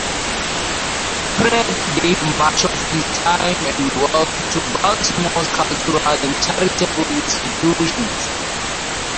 Pratt gave much of his time and wealth to Baltimore's cultural and charitable institutions.